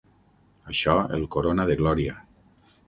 Això el corona de glòria.